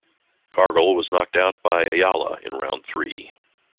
Cargle was knocked out by Ayala in round three.